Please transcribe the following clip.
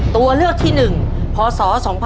ตัวเลือกที่หนึ่งพศ๒๐๑๕